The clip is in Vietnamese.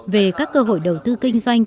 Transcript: về các cơ hội đầu tư kinh doanh